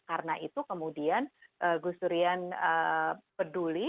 karena itu kemudian gus durian peduli